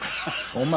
お前